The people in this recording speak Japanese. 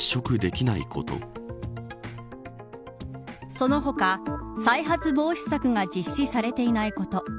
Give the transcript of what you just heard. その他、再発防止策が実施されていないこと。